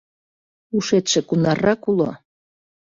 Ушетше кунаррак уло?